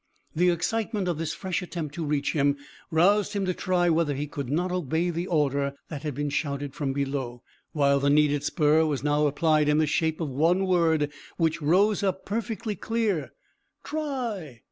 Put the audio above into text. The excitement of this fresh attempt to reach him roused him to try whether he could not obey the order that had been shouted from below, while the needed spur was now applied in the shape of the one word which rose up, perfectly clear "Try!"